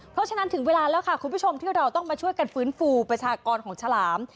เพราะฉะนั้นถึงเวลาแล้วค่ะคุณผู้ชมที่เราต้องมาช่วยกันฟื้นฟูประชากรของฉลาม